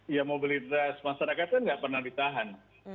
ya mobilitas masyarakat kan nggak pernah ditahan